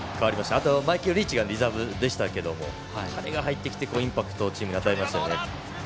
リーチマイケルがリザーブでしたが彼が入ってきて、インパクトをチームに与えましたよね。